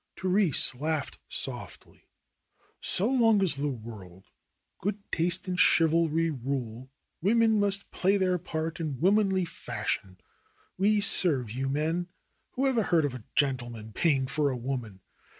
Therese laughed softly. ^^So long as the world, good taste and chivalry rule, women must play their part in womanly fashion* We serve you men. Whoever heard of a gentleman paying for a woman